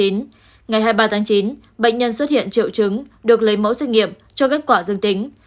ngày hai mươi ba tháng chín bệnh nhân xuất hiện triệu chứng được lấy mẫu xét nghiệm cho kết quả dương tính